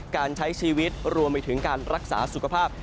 การใช้ชีวิตรวมไปถึงการรักษาสุขภาพ